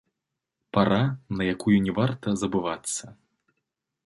Пара, на якую не варта забывацца.